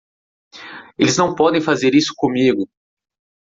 Eles não podem fazer isso comigo!